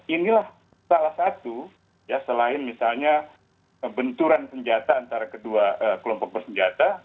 inilah salah satu ya selain misalnya benturan senjata antara kedua kelompok bersenjata